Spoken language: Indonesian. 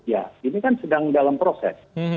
ya ini kan sedang dalam proses